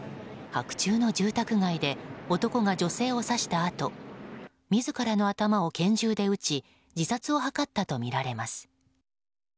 白昼の住宅街で男が女性を刺したあと自らの頭を拳銃で撃ち自殺を図ったとみられます。